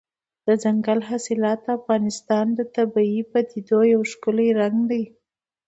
دځنګل حاصلات د افغانستان د طبیعي پدیدو یو ښکلی رنګ دی.